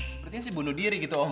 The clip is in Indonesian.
sepertinya sih bunuh diri gitu om